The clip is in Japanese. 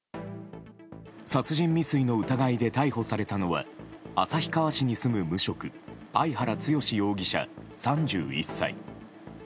殺人未遂の疑いで逮捕されたのは旭川市に住む無職相原強志容疑者、３１歳。